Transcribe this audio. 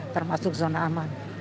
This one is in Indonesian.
termasuk zona aman